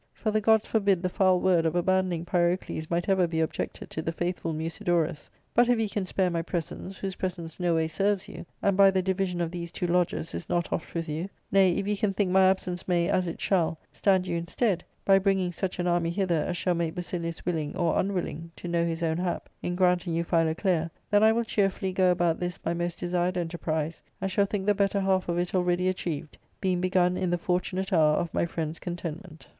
For the gods forbid the foul word of abandoning Pyro cles might ever be objected to the faithful Musidorus. But, if you can spare my presence, whose presence no way serves you, and, by the division of these two lodges, is not oft with you — nay, if you can think my absence may, as it shall, stand you in stead, by bringing such an army hither as shall make Basilius willing or unwilling to know his own hap in granting you Philoclea, then I will cheerfully go about this my most desired enterprise, and shall think the better half of it already achieved, being begun in the fortunate hour of my friend^s contentment."